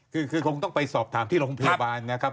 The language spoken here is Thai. คือคงต้องไปสอบถามที่โรงพยาบาลนะครับ